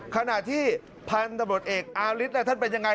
ขณะที่พันธุ์ตำรวจเอกอาริสท่านเป็นยังไง